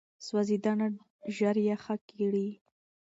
سوځېدنه ژر یخه کړئ.